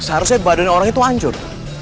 seharusnya badan orang itu hancur